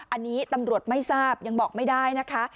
อันนี้ตำรวจไม่ทราบยังบอกไม่ได้นะคะ